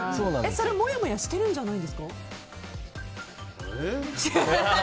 それ、もやもやしてるんじゃないですか？